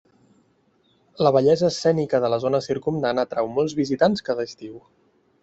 La bellesa escènica de la zona circumdant atrau molts visitants cada estiu.